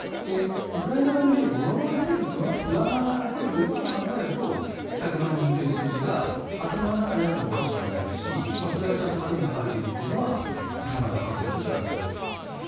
ウクライナ側の兵力を上回らせるということを考えると１００万人という数字が頭の中にあってもおかしくないですしそれがちゃんと紙に書かれているというのは十分可能性としてあると思います。